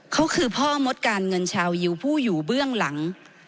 เขาคือพ่อมดการเงินชาวยิวผู้อยู่เบื้องหลัง